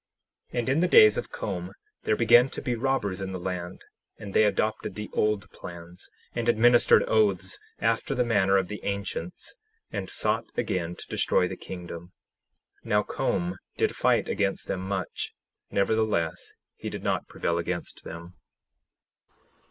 10:33 And in the days of Com there began to be robbers in the land; and they adopted the old plans, and administered oaths after the manner of the ancients, and sought again to destroy the kingdom. 10:34 Now Com did fight against them much; nevertheless, he did not prevail against them.